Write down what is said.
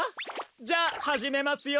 じゃあはじめますよ！